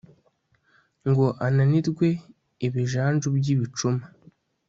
ngo ananirwe ibijanju by'ibicuma